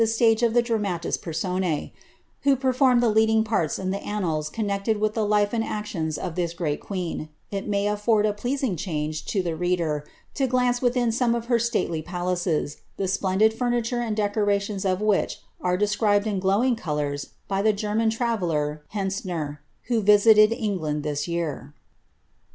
165 Stage of the dramatis persoruEj who performed the leading parts in the aonala connected with the life and actions of this great queen, it may afford a pleasing change, to the reader, to glance within some of her stately palaces, the splendid furniture and decorations of which are de scribed in glowing colours, by the German tFaveller, Hentzner, who Tisitefl England this year.